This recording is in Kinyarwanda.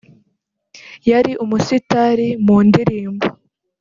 yari umusitari mu ndirimbo